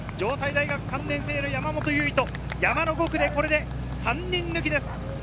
３年生の山本唯翔、山の５区でこれで３人抜きです。